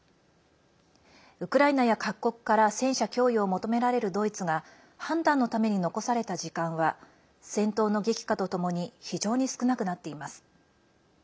ウクライナや各国から戦車供与を求められるドイツが判断のために残された時間は戦闘の激化とともに非常に少なくなっています。